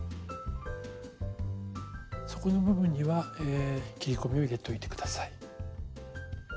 底の部分には切り込みを入れといて下さい。